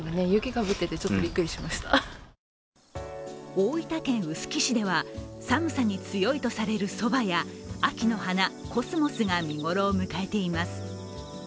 大分県臼杵市では寒さに強いとされるそばや、秋の花・コスモスが見頃を迎えています。